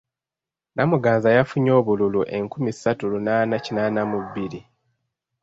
Namuganza yafunye obululu enkumi ssatu lunaana kinaana mu bbiri.